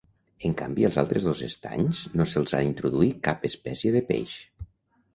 En canvi als altres dos estanys no se'ls ha introduït cap espècie de peix.